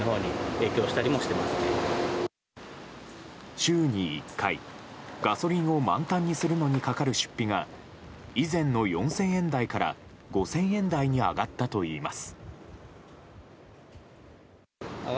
週に１回ガソリンを満タンにするのにかかる出費が以前の４０００円台から５０００円台に上がったといいます。